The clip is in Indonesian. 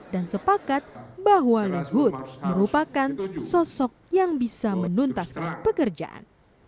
dan sepakat bahwa lehut merupakan sosok yang bisa menuntaskan pekerjaan